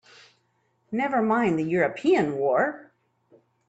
Never mind the European war!